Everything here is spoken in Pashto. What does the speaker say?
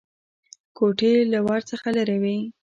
کوټې له ور څخه لرې وې.